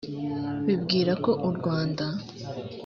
bibwira ko u rwanda